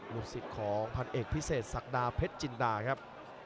ลูกศิษย์ของพันเอกพิเศษศักดาเพชรจินดาครับ